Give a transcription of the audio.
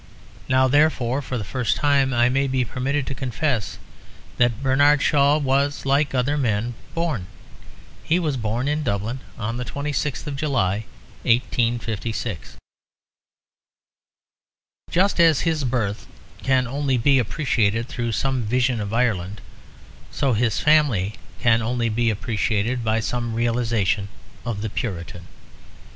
Now therefore for the first time I may be permitted to confess that Bernard Shaw was, like other men, born. He was born in Dublin on the 26th of July, 1856. Just as his birth can only be appreciated through some vision of Ireland, so his family can only be appreciated by some realisation of the Puritan.